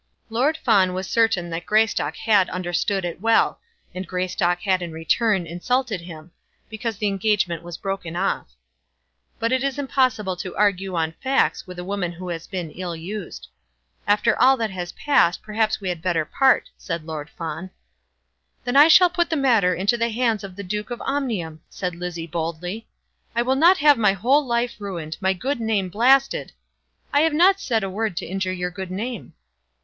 Lord Fawn was certain that Greystock had understood it well; and Greystock had in return insulted him, because the engagement was broken off. But it is impossible to argue on facts with a woman who has been ill used. "After all that has passed, perhaps we had better part," said Lord Fawn. "Then I shall put the matter into the hands of the Duke of Omnium," said Lizzie boldly. "I will not have my whole life ruined, my good name blasted " "I have not said a word to injure your good name."